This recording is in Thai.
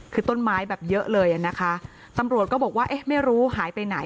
คือต้นไม้แบบเยอะเลยอ่ะนะคะตำรวจก็บอกว่าเอ๊ะไม่รู้หายไปไหน